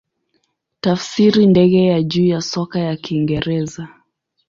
Tafsiri ndege ya juu ya soka ya Kiingereza.